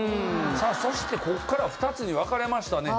さあそしてここからは２つに分かれましたね。